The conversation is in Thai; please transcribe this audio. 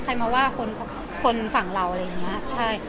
ใครมาว่าคนคนฝั่งเราอะไรอย่างเงี้ยใช่